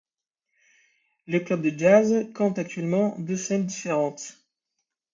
Le club de jazz compte actuellement deux scènes différentes.